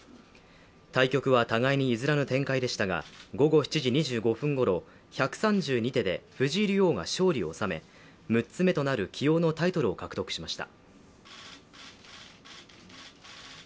対局は互いに譲らぬ展開でしたが、午後７時２５分ごろ、１３２手で藤井竜王が勝利を収め、六つ目となる棋王のタイトルを獲得しました。